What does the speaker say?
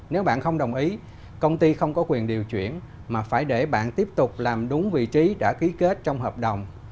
nếu bạn không đồng ý công ty không có quyền điều chuyển mà phải để bạn tiếp tục làm đúng vị trí đã ký kết trong hợp đồng